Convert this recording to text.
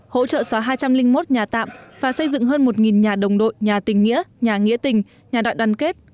hỗ trợ xóa hai trăm linh một nhà tạm và xây dựng hơn một nhà đồng đội nhà tình nghĩa nhà nghĩa tình nhà đại đoàn kết